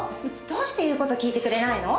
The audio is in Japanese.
どうして言うこと聞いてくれないの？